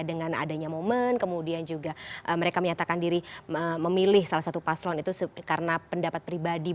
dengan adanya momen kemudian juga mereka menyatakan diri memilih salah satu paslon itu karena pendapat pribadi